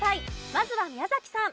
まずは宮崎さん。